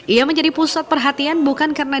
ia menjadi pusat perhatian bukan karena